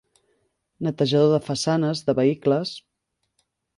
Netejador de façanes, de vehicles.